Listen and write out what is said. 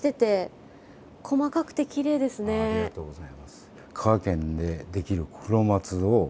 ありがとうございます。